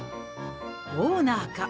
オーナーか？